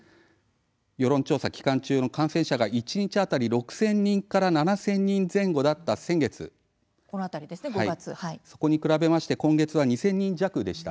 世論調査期間中の感染者が一日当たり６０００人から７０００人前後だった先月そこに比べまして今月は２０００人弱でした。